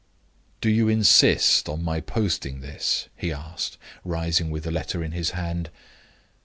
"Do you insist on my posting this?" he asked, rising with the letter in his hand.